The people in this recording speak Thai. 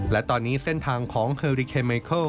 และตอนนี้เส้นทางของเฮอริเคไมเคิล